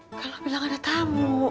kalau bilang ada tamu